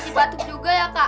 masih batuk juga ya kak